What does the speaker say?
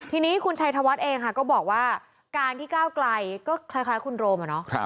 ทีนี้คุณชัยธวัฒน์เองค่ะก็บอกว่าการที่ก้าวไกลก็คล้ายคุณโรมอะเนาะ